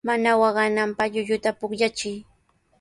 Mana waqananpaq llulluta pukllachiy.